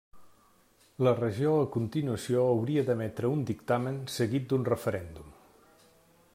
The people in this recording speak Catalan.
La Regió a continuació hauria d'emetre un dictamen seguit d'un referèndum.